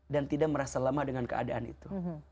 dan tidak merasa lama dengan keadaan itu